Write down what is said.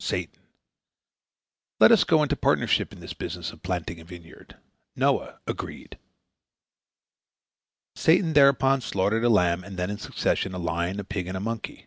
Satan: "Let us go into partnership in this business of planting a vineyard." Noah: "Agreed!" Satan thereupon slaughtered a lamb, and then, in succession, a lion, a pig, and a monkey.